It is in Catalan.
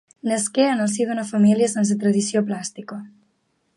Nasqué en el si d'una família sense tradició plàstica.